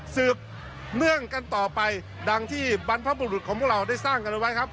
สืบเนื่องกันต่อไปดังที่บรรพบุรุษของพวกเราได้สร้างกันไว้ครับ